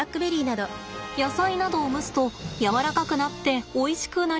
野菜などを蒸すとやわらかくなっておいしくなりますよね。